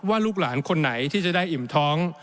ลูกหลานคนไหนที่จะได้อิ่มท้อง